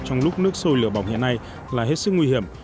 trong lúc nước sôi lửa bỏng hiện nay là hết sức nguy hiểm